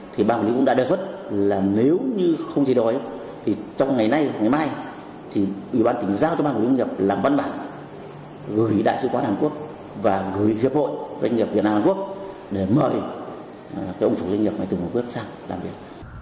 thì bang hồ lý cũng đã đề xuất là nếu như không chỉ đổi thì trong ngày nay ngày mai thì ủy ban tỉnh giao cho bang hồ lý doanh nghiệp làm văn bản gửi đại sứ quán hàn quốc và gửi hiệp hội doanh nghiệp việt nam hàn quốc để mời ông chủ doanh nghiệp này từ hồ quốc sang làm việc